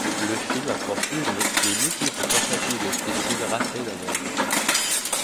Le film a pour sujet les multiples tentatives de suicide ratées d'un homme.